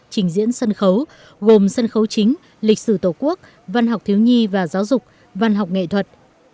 trình diễn sân khấu gồm sân khấu chính lịch sử tổ quốc văn học thiếu nhi và giáo dục văn học nghệ thuật